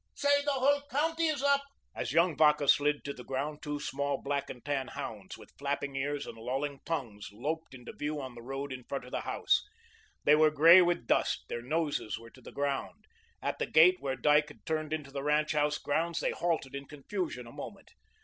Say, the whole county is up." As young Vacca slid down to the ground, two small black and tan hounds, with flapping ears and lolling tongues, loped into view on the road in front of the house. They were grey with dust, their noses were to the ground. At the gate where Dyke had turned into the ranch house grounds, they halted in confusion a moment.